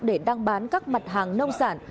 để đăng bán các mặt hàng nông sản